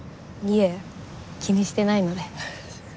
いえ気にしてないので。